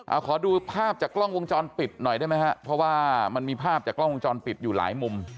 เอาขอดูภาพจากกล้องวงจรปิดหน่อยได้ไหมฮะเพราะว่ามันมีภาพจากกล้องวงจรปิดอยู่หลายมุม